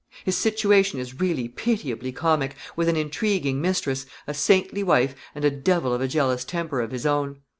His situation is really pitiably comic with an intriguing mistress, a saintly wife, and a devil of a jealous temper of his own.